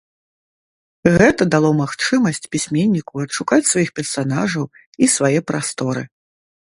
Гэта дало магчымасць пісьменніку адшукаць сваіх персанажаў і свае прасторы.